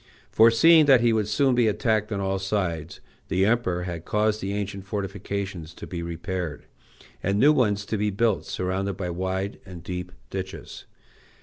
Foreseeing that he would soon be attacked on all sides, the Emperor had caused the ancient fortifications to be repaired, and new ones to be built, surrounded by wide and deep ditches.